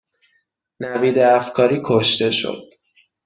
نوید افکاری کشته شد